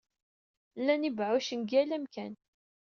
Llan yibeɛɛucen deg yal amkan.